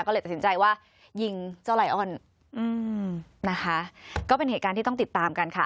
ก็เลยตัดสินใจว่ายิงเจ้าไลออนอืมนะคะก็เป็นเหตุการณ์ที่ต้องติดตามกันค่ะ